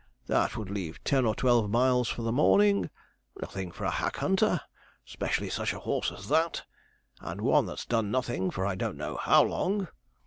That would leave ten or twelve miles for the morning; nothing for a hack hunter; 'specially such a horse as that, and one that's done nothing for I don't know how long.'